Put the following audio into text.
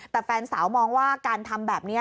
แต่แฟนสาวมองว่าการทำแบบนี้